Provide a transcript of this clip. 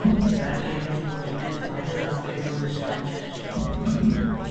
That game was possibly the final home game for this franchise.